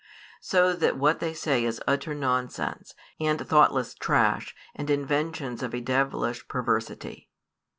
So that what they say is utter nonsense, and thoughtless trash, and inventions of a devilish perversity.